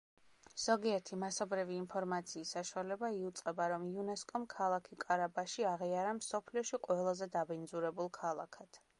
ზოგიერთი მასობრივი ინფორმაციის საშუალება იუწყება, რომ იუნესკომ ქალაქი კარაბაში აღიარა მსოფლიოში ყველაზე დაბინძურებულ ქალაქად.